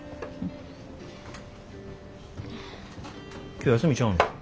今日休みちゃうの？